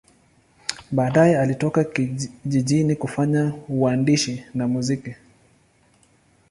Baadaye alitoka jijini kufanya uandishi na muziki.